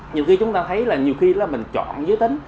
nhiều khi chúng ta thấy là nhiều khi là mình chọn giới tính